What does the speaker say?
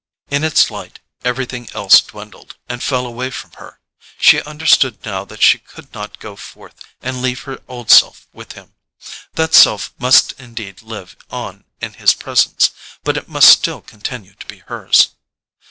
In its light everything else dwindled and fell away from her. She understood now that she could not go forth and leave her old self with him: that self must indeed live on in his presence, but it must still continue to be hers.